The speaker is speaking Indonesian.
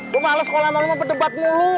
gue males sama lo berdebat mulu